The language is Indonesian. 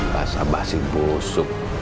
rasa basi busuk